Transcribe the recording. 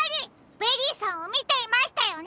ベリーさんをみていましたよね！